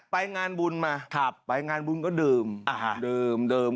ไปงานบุญมาไปงานบุญก็ดื่มดื่ม